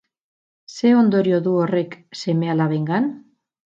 Ze ondorio du horrek seme-alabengan?